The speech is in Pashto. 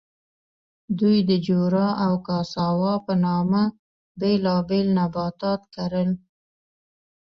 دوی د جورا او کاساوا په نامه بېلابېل نباتات کرل.